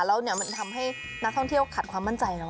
แล้วมันทำให้นักท่องเที่ยวขัดความมั่นใจเนอ